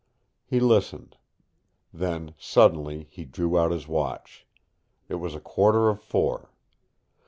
He listened. Then, suddenly, he drew out his watch. It was a quarter of four.